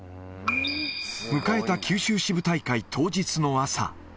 迎えた九州支部大会、当日の朝。